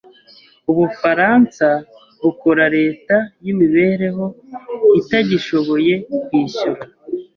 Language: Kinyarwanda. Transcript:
Ubufaransa bukora leta yimibereho itagishoboye kwishyura.